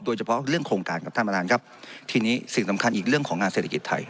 โดยเฉพาะเรื่องโครงการครับท่านประธานครับทีนี้สิ่งสำคัญอีกเรื่องของงานเศรษฐกิจไทย